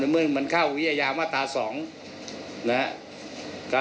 เมื่อมันเข้าวิญญาณมาตราสองนะฮะ